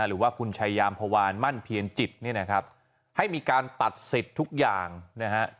หรือว่าคุณชายามพวานมั่นเพียรจิตเนี่ยนะครับให้มีการตัดสิทธิ์ทุกอย่างนะฮะ